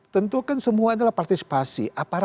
tentu kan semua adalah partisipasi